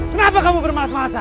kenapa kamu bermalas malasan